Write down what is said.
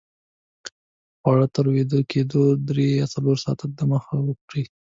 خواړه تر ویده کېدو درې یا څلور ساته دمخه وخورئ